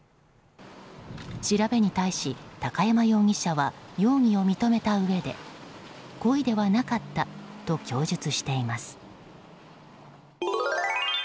調べに対し、高山容疑者は容疑を認めたうえで故意ではなかったと供述しています。